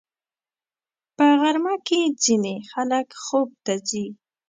په غرمه کې ځینې خلک خوب ته ځي